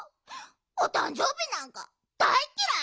おたんじょうびなんかだいっきらい！